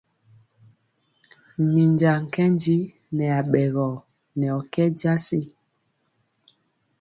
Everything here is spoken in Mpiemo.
Minja nkɛnji nɛ aɓɛgɔ nɛ ɔ kɛ jasi.